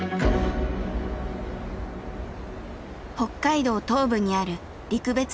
北海道東部にある陸別町。